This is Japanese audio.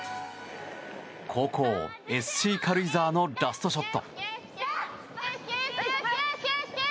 後攻、ＳＣ軽井沢のラストショット。